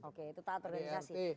oke itu taat organisasi